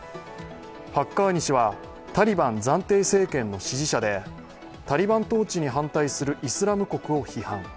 ハッカーニ師はタリバン暫定政権の支持者で、タリバン統治に反対するイスラム国を批判。